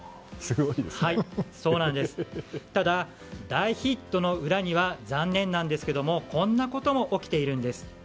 ただ、大ヒットの裏には残念なんですがこんなことも起きているんです。